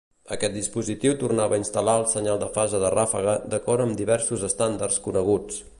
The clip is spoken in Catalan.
Aquest dispositiu tornava a instal·lar el senyal de fase de ràfega d'acord amb diversos estàndards coneguts.